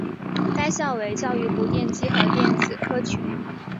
该校为教育部电机与电子群科中心主办学校。